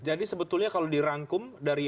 jadi sebetulnya kalau dirangkum dari lbhi